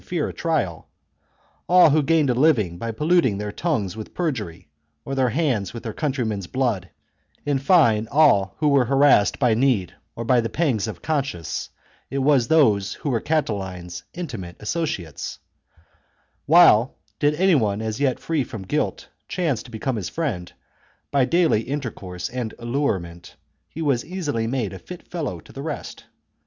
CHAP, fear a trial, all who gained a living by polluting their tongues with perjury, or their hands with their coun trymen's blood, in fine, all who were harassed by crime, by need, or by the pangs of conscience — it was these who were Catiline's intimate associates ; while, did anyone as yet free from guilt chance to become his friend, by daily intercourse and allurement, he was easily made a fit fellow to the rest.